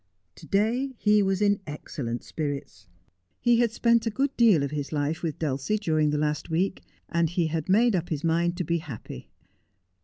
To day he was in excellent spirits. He had spent a good deal of his life with Dulcie during the last Come to Grief. 107 week, and he had made up his mind to be happy.